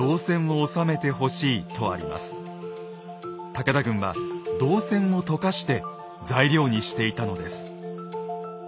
武田軍は銅銭を溶かして材料にしていたのです。